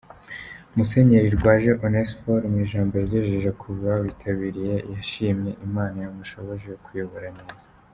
Musenyeri Rwaje Onesphore mu ijambo yagejeje ku bawitabiriye, yashimye Imana yamushoboje kuyobora neza.